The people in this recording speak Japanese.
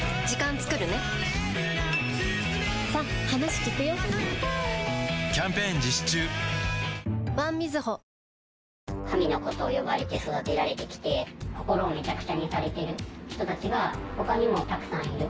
向けられるのがもしも「神の子」と呼ばれて育てられてきて心をめちゃくちゃにされてる人たちが他にもたくさんいる。